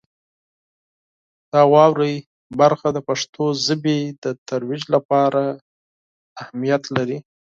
د واورئ برخه د پښتو ژبې د ترویج لپاره اهمیت لري.